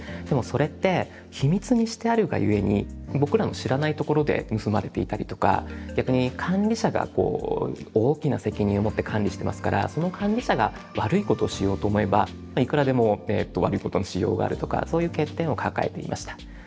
でもそれって秘密にしてあるがゆえに僕らの知らないところで盗まれていたりとか逆に管理者が大きな責任を持って管理してますからその管理者が悪いことをしようと思えばいくらでも悪いことのしようがあるとかそういう欠点を抱えていました。